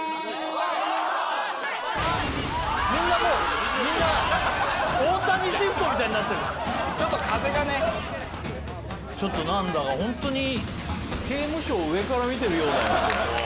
みんなもうみんな大谷シフトみたいになってるちょっと風がねちょっと何だかホントに刑務所を上から見てるようだよ